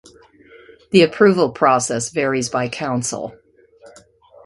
The approval process varies by council.